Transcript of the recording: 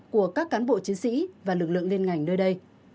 của các cán bộ chiến sĩ và lực lượng liên ngành nơi đây